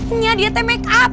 iya dia teh make up